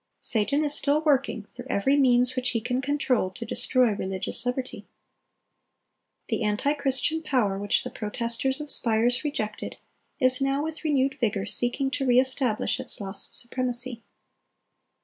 Satan is still working through every means which he can control to destroy religious liberty. The antichristian power which the protesters of Spires rejected, is now with renewed vigor seeking to re establish its lost supremacy.